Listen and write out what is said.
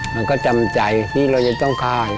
มันก็จำใจที่เราจะต้องฆ่า